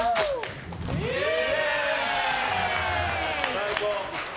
最高！